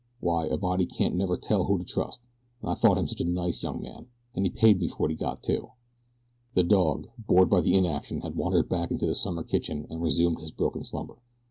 Why a body can't never tell who to trust, and I thought him such a nice young man. And he paid me for what he got, too." The dog, bored by the inaction, had wandered back into the summer kitchen and resumed his broken slumber.